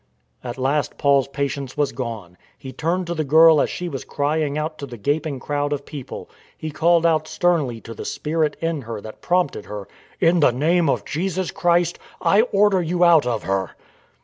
At last Paul's patience was gone. He turned to the girl as she was crying out to the gaping crowd of people. He called out sternly to the spirit in her that prompted her :" In the name of Jesus Christ, I order you out of her."